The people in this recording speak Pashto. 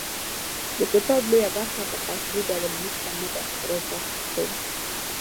د کتاب لویه برخه په قصدي ډول موږ ته نه ده رازده شوې.